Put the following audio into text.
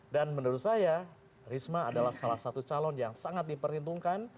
dan menurut saya risma adalah salah satu calon yang sangat diperhitungkan